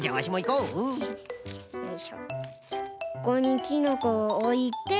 ここにキノコをおいて。